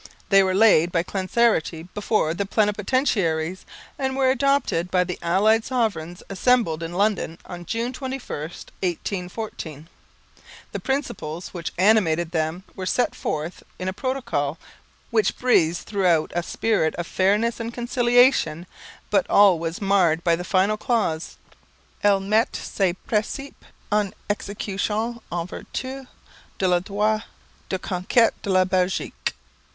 They were laid by Clancarty before the plenipotentiaries, and were adopted by the Allied Sovereigns assembled in London on June 21, 1814. The principles which animated them were set forth in a protocol which breathes throughout a spirit of fairness and conciliation but all was marred by the final clause _Elles mettent ces principes en exécution en vertu de leur droit de conquete de la Belgique.